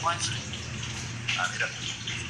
دا کښېناستل له هغه ګټورې دي.